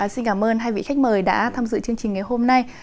xin cảm ơn hai vị khách mời đã tham dự chương trình ngày hôm nay